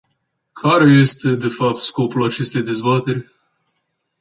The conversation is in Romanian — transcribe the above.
Care este, de fapt, scopul acestei dezbateri?